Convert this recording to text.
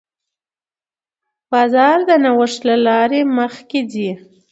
بازار د نوښت له لارې مخکې ځي.